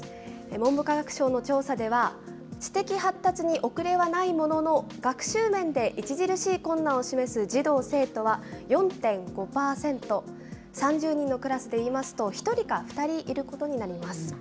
文部科学省の調査では、知的発達に遅れはないものの、学習面で著しい困難を示す児童・生徒は４．５％、３０人のクラスでいいますと、１人か２人いることになります。